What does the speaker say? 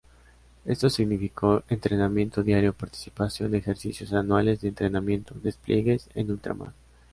Esto significó entrenamiento diario, participación en ejercicios anuales de entrenamiento, despliegues en ultramar.